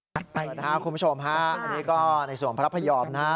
คุณผู้ชมฮาอันนี้ก็ในส่วนของพระพยอมนะฮะ